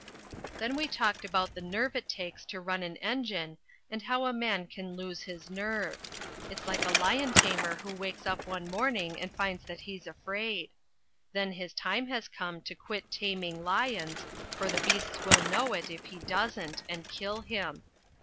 Then we talked about the nerve it takes to run an engine, and how a man can lose his nerve. It's like a lion tamer who wakes up some morning and finds that he's afraid. Then his time has come to quit taming lions, for the beasts will know it if he doesn't, and kill him.